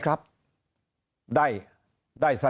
เพราะสุดท้ายก็นำไปสู่การยุบสภา